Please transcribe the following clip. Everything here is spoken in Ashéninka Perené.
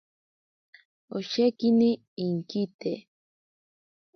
Oshekini inkite.